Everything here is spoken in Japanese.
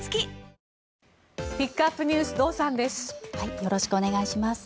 よろしくお願いします。